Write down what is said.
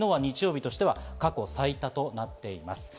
昨日は日曜日としては過去最多となっています。